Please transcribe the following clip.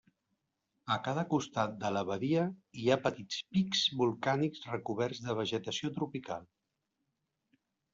A cada costat de la badia hi ha petits pics volcànics recoberts de vegetació tropical.